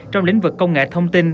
trong lĩnh vực công nghệ thông tin